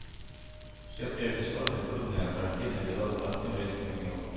Всё прежде сложное, трудное, враждебное казалось простым, легким и милым.